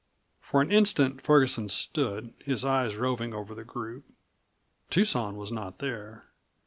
For an instant Ferguson stood, his eyes roving over the group. Tucson was not there.